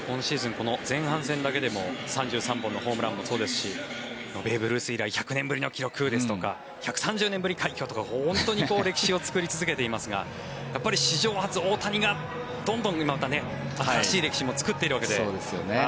この前半戦だけでも３３本のホームランもそうですしベーブ・ルース以来１００年ぶりの記録ですとか１３０年ぶり快挙とか本当に歴史を作り続けていますがやっぱり史上初、大谷がどんどん新しい歴史も作っているわけで。